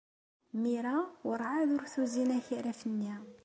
Mira werɛad ur tuzin akaraf-nni.